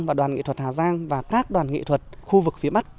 và đoàn nghệ thuật hà giang và các đoàn nghệ thuật khu vực phía bắc